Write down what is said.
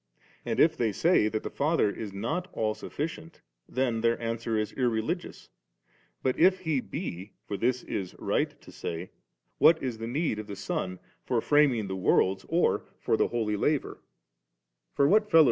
For if they say that the Father is not all sufficient, then their answer is irreligious^, but if He be, for this it is right to say, what is the ne^ of the Son for framing the worlds, or for the holy 4 Aateriut held, t.